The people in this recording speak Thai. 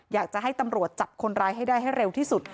อยากจะให้ตำรวจจับคนร้ายให้ได้ให้เร็วที่สุด